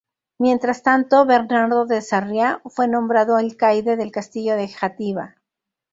Mientras tanto, Bernardo de Sarriá fue nombrado alcaide del castillo de Játiva.